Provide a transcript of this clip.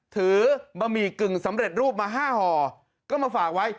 บะหมี่กึ่งสำเร็จรูปมา๕ห่อก็มาฝากไว้